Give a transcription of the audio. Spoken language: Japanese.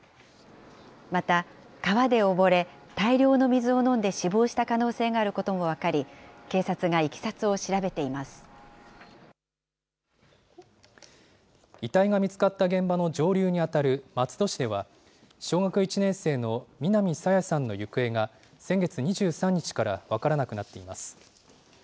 また、川で溺れ、大量の水を飲んで死亡した可能性があることも分かり、警察がいき遺体が見つかった現場の上流に当たる松戸市では、小学１年生の南朝芽さんの行方が先月２３日から分からなくなっています。